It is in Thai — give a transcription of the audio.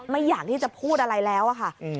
อยากที่จะพูดอะไรแล้วอะค่ะ